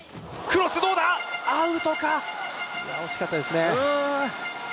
惜しかったですね。